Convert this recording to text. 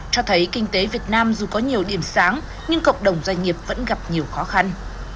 cho thấy kinh tế việt nam dù có nhiều điểm sáng nhưng cộng đồng doanh nghiệp vẫn gặp nhiều khó khăn